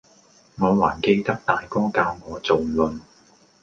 我還記得大哥教我做論，